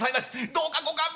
どうかご勘弁を」。